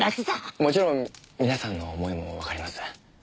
もちろん皆さんの思いもわかります。